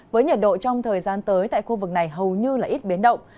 với nhiệt độ trong thời gian tới tại khu vực này hầu như ít biến động